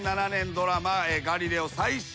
ドラマ『ガリレオ』最終話。